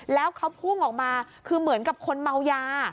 แล้วเขาพุ่งออกมาคือเหมือนกับคนเมายา